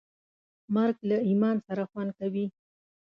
مرګ له ایمان سره خوند کوي.